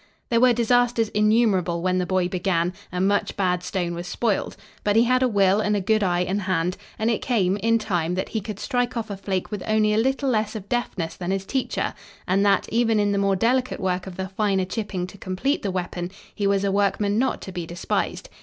There were disasters innumerable when the boy began and much bad stone was spoiled, but he had a will and a good eye and hand, and it came, in time, that he could strike off a flake with only a little less of deftness than his teacher and that, even in the more delicate work of the finer chipping to complete the weapon, he was a workman not to be despised.